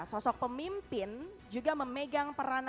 sosok pemimpin juga memegang peranan kusuma